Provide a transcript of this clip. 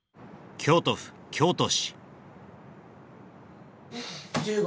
京都府京都市１５